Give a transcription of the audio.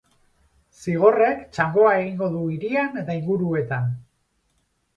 Zigorrek txangoa egingo du hirian eta inguruetan.